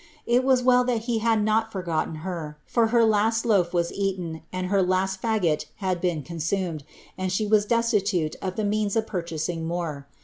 It was well that he had not forgotten her, for her last wf was eaten, and her last faggot had been consumed, and she was destitute of the means of purchasing more.